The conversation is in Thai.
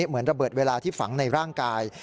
เหมือนระเบิดเวลาที่ฝังในร่างกาย